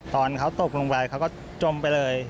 ตอนเขาตกลงไปเขาก็จมไปเลย